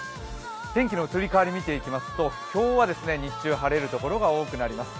天気の移り変わりを見てきますと今日は日中晴れるところが多くなります。